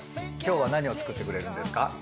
今日は何を作ってくれるんですか？